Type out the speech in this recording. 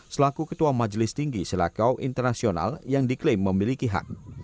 selaku ketua majelis tinggi selakau internasional yang diklaim memiliki hak